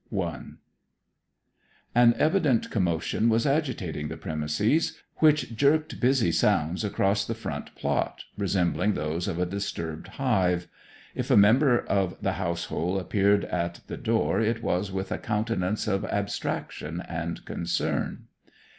I An evident commotion was agitating the premises, which jerked busy sounds across the front plot, resembling those of a disturbed hive. If a member of the household appeared at the door it was with a countenance of abstraction and concern.